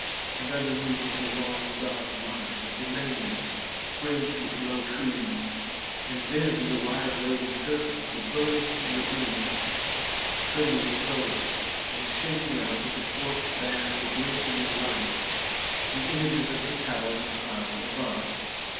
And underneath is the long dark line of the mainland, fringed with low trees; and then the wide waving surface of the burnished lagoon trembling slowly, and shaking out into forked bands of lengthening light the images of the towers of cloud above.